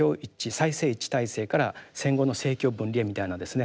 祭政一致体制から戦後の政教分離へみたいなですね